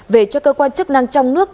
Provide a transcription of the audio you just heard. về cho cơ quan chức năng trong nước